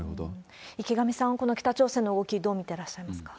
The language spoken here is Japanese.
池上さん、この北朝鮮の動き、どう見てらっしゃいますか？